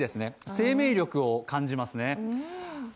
生命力を感じますね。